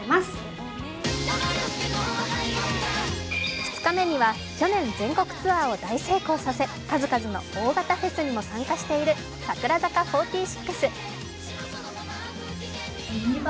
２日目には去年、全国ツアーを大成功させ数々の大型フェスにも参加している櫻坂４６。